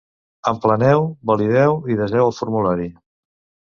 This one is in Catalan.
Empleneu, valideu i deseu el formulari.